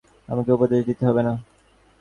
আমাকে উপদেশ দিতে হবে না।